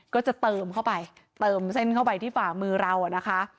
ก็จะเติมเข้าไปเติมเส้นเข้าไปที่ฝ่ามือเราอ่ะนะคะ